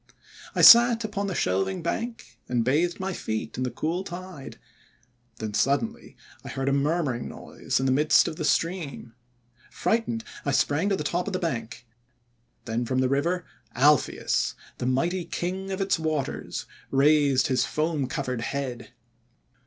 "I sat upon the shelving bank, and bathed my feet in the cool tide. Then suddenly I heard a murmuring noise in the midst of the stream. Frightened I sprang to the top of the bank. Then from the river, Alpheus, the mighty King of its waters, raised his foam covered head.